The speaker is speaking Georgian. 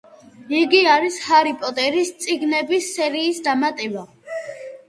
იგი არის ჰარი პოტერის წიგნების სერიის დამატება.